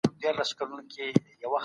صفت خوله د هر چا كي اوسـي